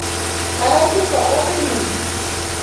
Qarachupa uqim